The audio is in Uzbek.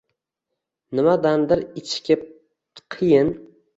Nimadandir ichikib, qiyin